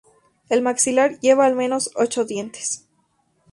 El maxilar lleva al menos ocho dientes.